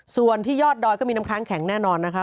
ส่วนที่ยอดดอยก็มีน้ำค้างแข็งแน่นอนนะคะ